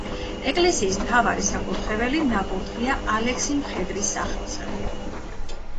ეკლესიის მთავარი საკურთხეველი ნაკურთხია ალექსი მხედრის სახელზე.